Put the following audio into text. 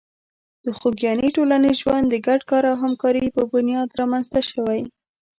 د خوږیاڼي ټولنیز ژوند د ګډ کار او همکاري په بنیاد رامنځته شوی.